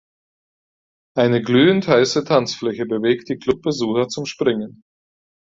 Eine glühend heiße Tanzfläche bewegt die Clubbesucher zum Springen.